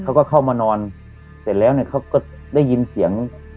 เขาก็เข้ามานอนเสร็จแล้วเนี่ยเขาก็ได้ยินเสียง